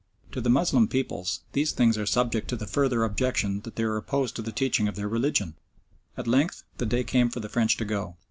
To the Moslem peoples these things are subject to the further objection that they are opposed to the teaching of their religion. At length the day came for the French to go.